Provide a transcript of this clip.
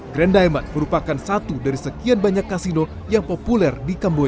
grand diamond merupakan satu dari sekian banyak kasino yang populer di kamboja